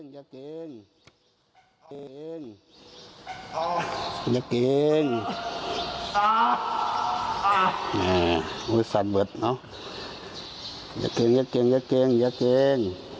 ยากเกงยากเกงยากเกง